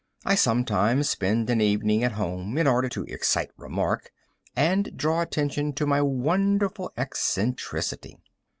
I sometimes spend an evening at home, in order to excite remark and draw attention to my wonderful eccentricity.